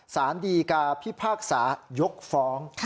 สารดีกาพิพากษายกฟ้อง